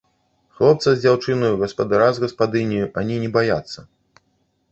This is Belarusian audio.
Хлопца з дзяўчынаю, гаспадара з гаспадыняю ані не баяцца.